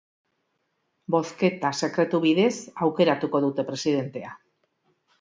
Bozketa sekretu bidez aukeratuko dute presidentea.